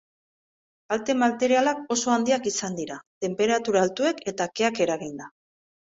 Kalte materialak oso handiak izan dira, tenperatura altuek eta keak eraginda.